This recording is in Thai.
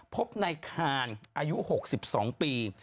พบในคานอายุ๖๒ปี